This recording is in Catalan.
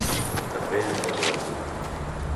També a Nova Zelanda.